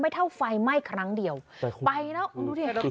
เท่าไฟไหม้ครั้งเดียวไปแล้วคุณดูดิ